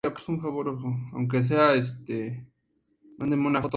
El blindaje era de rieles de ferrocarril.